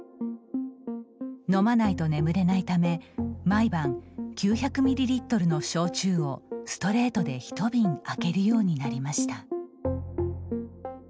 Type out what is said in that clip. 飲まないと眠れないため毎晩９００ミリリットルの焼酎をストレートで１瓶空けるようになりました。